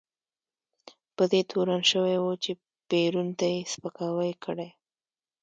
په دې تورن شوی و چې پېرون ته یې سپکاوی کړی.